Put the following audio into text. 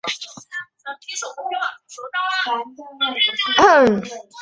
后来曹操任命丁仪为西曹掾。